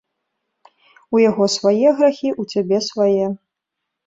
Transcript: У яго свае грахі, у цябе свае.